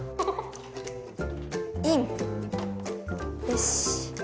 よし。